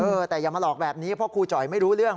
เออแต่อย่ามาหลอกแบบนี้เพราะครูจ่อยไม่รู้เรื่อง